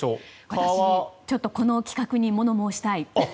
私この企画に物申したい。